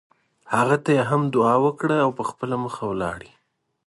هغه ته یې هم دعا وکړه او په خپله مخه لاړ.